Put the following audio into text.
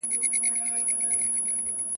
مېوې د انسان په ژوند کې د خوښۍ او روغتیا نښه ده.